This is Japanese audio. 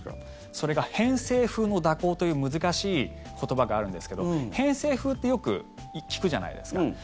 それが偏西風の蛇行という難しい言葉があるんですけども偏西風ってよく聞くじゃないですか。